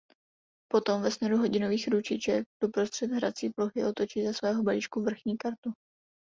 Potom ve směru hodinových ručiček doprostřed hrací plochy otočí ze svého balíčku vrchní kartu.